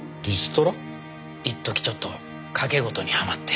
一時ちょっと賭け事にはまって。